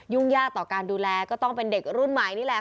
ยากต่อการดูแลก็ต้องเป็นเด็กรุ่นใหม่นี่แหละ